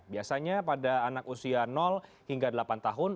biasanya pada anak usia hingga delapan tahun